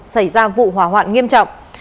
xảy ra vụ hỏa hoạn nghiêm trọng